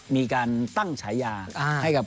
มีการตั้งฉายาให้กับ